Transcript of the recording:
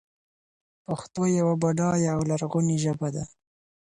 پښتو يوه بډايه او لرغونې ژبه ده.